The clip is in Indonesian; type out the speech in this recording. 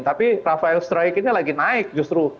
tapi rafael stroik ini lagi naik justru